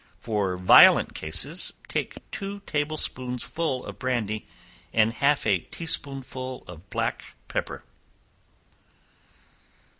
For violent cases, take two table spoonsful of brandy, and half a tea spoonful of black pepper.